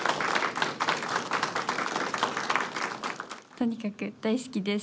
とにかく大好きです。